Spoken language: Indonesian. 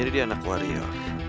jadi anak warrior